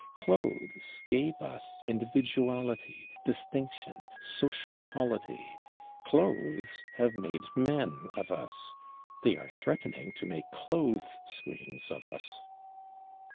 Clothes gave us individuality, distinction, social polity; Clothes have made Men of us; they are threatening to make Clothes screens of us.